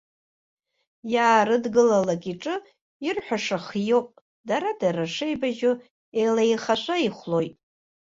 Иаарыдгылалак иҿы ирҳәаша хиоуп, дара-дара шеибажьо илеихашәа ихәлоит.